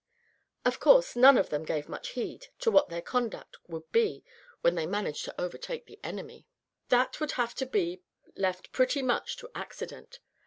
Of course none of them gave much heed to what their conduct would be when they managed to overtake the enemy. That would have to be left pretty much to accident.